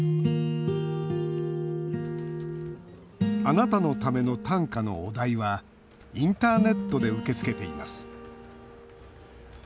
「あなたのための短歌」のお題はインターネットで受け付けています。